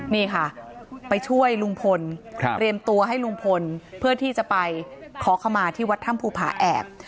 นี่ค่ะไปช่วยลุงพลเตรียมตัวให้ลุงพลเพื่อที่จะไปขอขมาที่วัดถ้ำภูผาแอบ